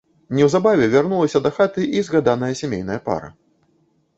Неўзабаве вярнулася дахаты і згаданая сямейная пара.